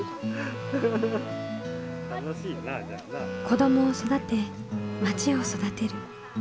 子どもを育てまちを育てる。